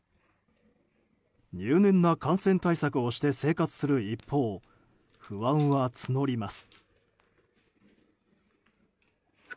入念な感染対策をして生活する一方不安は募ります。